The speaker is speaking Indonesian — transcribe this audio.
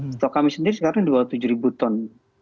stok kami sendiri sekarang dua puluh tujuh ribu ton